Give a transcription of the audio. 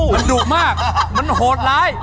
มันดุมากมันโหดร้าย